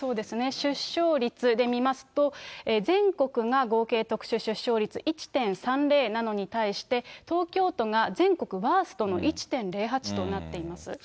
出生率で見ますと、全国が合計特殊出生率１．３０なのに対して、東京都が全国ワーストの１．０８となっています。